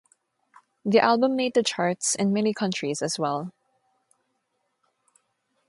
The album made the charts in many countries as well.